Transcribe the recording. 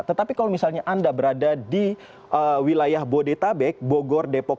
tetapi kalau misalnya anda berada di wilayah bodetabek